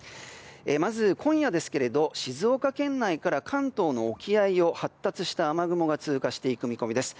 まず今夜ですが静岡県内から関東の沖合を発達した雨雲が通過していく見込みです。